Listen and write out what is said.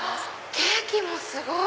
ケーキもすごい！